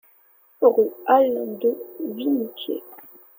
Rue Allain deux, Vimoutiers